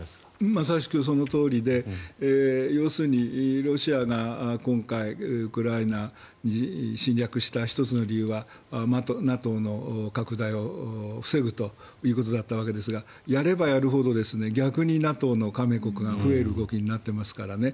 まさしくそのとおりで要するにロシアが今回、ウクライナ侵略した１つの理由はＮＡＴＯの拡大を防ぐということであったわけですがやればやるほど逆にＮＡＴＯの加盟国が増える動きになっていますからね